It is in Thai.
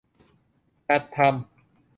จัดทำ